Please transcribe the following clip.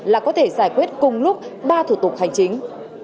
là có thể giải quyết cùng lúc ba thủ tục hành chính